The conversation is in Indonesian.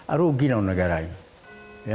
aruh gina negara ini